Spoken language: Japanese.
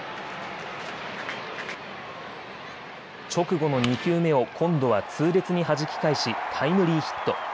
直後の２球目を今度は痛烈にはじき返しタイムリーヒット。